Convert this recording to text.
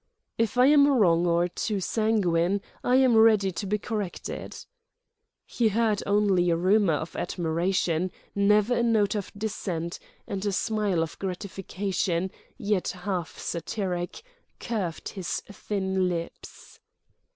"If I am wrong or too sanguine, I am ready to be corrected." He heard only a murmur of admiration, never a note of dissent; and a smile of gratification, yet half satiric, curved his thin lips.